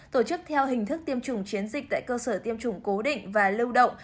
tổ chức theo hình thức tiêm chủng chiến dịch tại cơ sở tiêm chủng cố định và lưu động